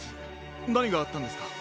なにがあったんですか？